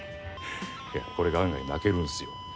いやこれが案外泣けるんすよ。